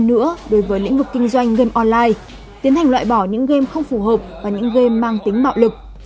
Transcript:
hơn nữa đối với lĩnh vực kinh doanh game online tiến hành loại bỏ những game không phù hợp và những game mang tính bạo lực